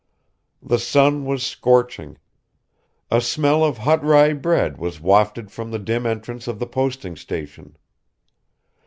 The sun was scorching; a smell of hot rye bread was wafted from the dim entrance of the posting station.